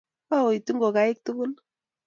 Kooit ingokaiik tugul.